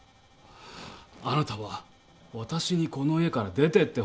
あなたは私にこの家から出てってほしいですか？